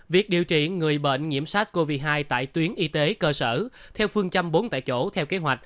việc điều trị người bệnh nhiễm sars cov hai tại tuyến y tế cơ sở theo phương châm bốn tại chỗ